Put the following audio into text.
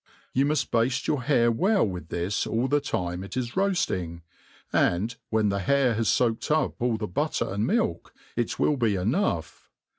You muft bafte your hare well with this all the time it is roafting $ and, when the hare has foaked up all the butter and milk, it will be enough.